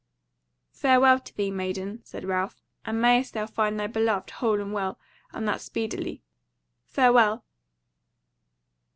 "Farewell to thee maiden," said Ralph, "and mayst thou find thy beloved whole and well, and that speedily. Fare well!"